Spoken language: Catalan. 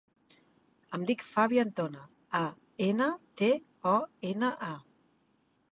Em dic Fabio Antona: a, ena, te, o, ena, a.